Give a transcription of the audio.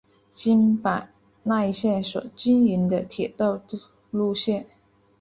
京阪奈线所经营的铁道路线。